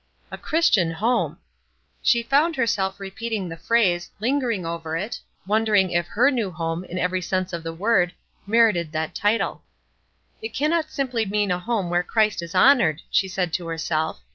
"A Christian home!" She found herself repeating the phrase, lingering over it, wondering if her new home, in every sense of the word, merited that title. "It cannot simply mean a home where Christ is honored," she said to herself.